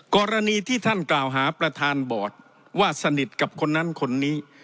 กรณีที่ท่านกล่าวหาประธานบอร์ดว่าสนิทกับคนนั้นคนนี้